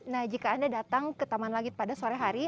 nah jika anda datang ke taman langit pada sore hari